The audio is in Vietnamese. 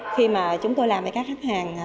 khi mà chúng tôi làm với các khách hàng